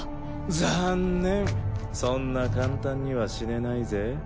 残念そんな簡単には死ねないぜ。